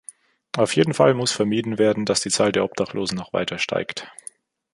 Auf jeden Fall muss vermieden werden, dass die Zahl der Obdachlosen noch weiter steigt.